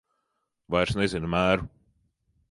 Vairs nezina mēru.